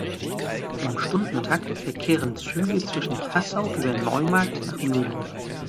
Im Stundentakt verkehren Züge zwischen Passau über Neumarkt nach Mühldorf.